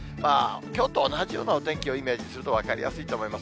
きょうと同じようなお天気をイメージすると分かりやすいと思います。